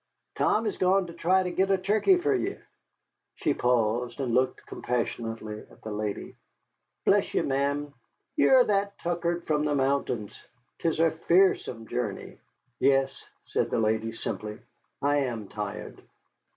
Tom is gone to try to git a turkey for ye." She paused, and looked compassionately at the lady. "Bless ye, ma'am, ye're that tuckered from the mountains! 'Tis a fearsome journey." "Yes," said the lady, simply, "I am tired."